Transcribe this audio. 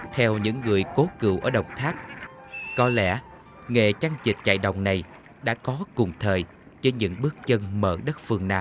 theo những người cố cựu ở đồng tháp có lẽ nghệ trang trịch chạy đồng này đã có cùng thời với những bước chân mở đất phương nam